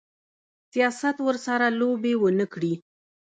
سیاست ورسره لوبې ونه کړي.